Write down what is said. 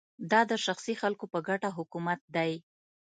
دا د شخصي خلکو په ګټه حکومت دی